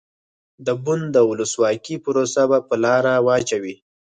د بن د ولسواکۍ پروسه په لاره واچوي.